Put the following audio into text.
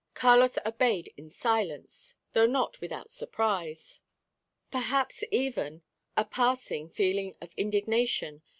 Carlos obeyed in silence, though not without surprise, perhaps even a passing feeling of indignation.